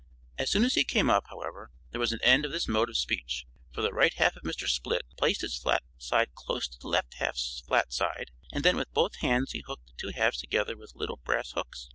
As soon as he came up, however, there was an end of this mode of speech, for the right half of Mr. Split placed his flat side close to the left half's flat side and then with both hands he hooked the two halves together with little brass hooks.